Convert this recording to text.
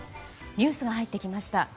ニュースが入ってきました。